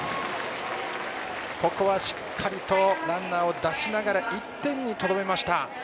ここはしっかりとランナーを出しながら１点にとどめました。